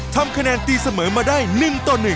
ทำคะแนนตีเสมอมาได้๑ต่อ๑